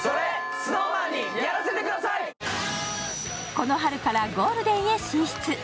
この春からゴールデンへ進出。